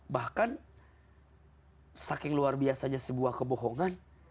bahkan saking luar biasanya sebuah kebohongan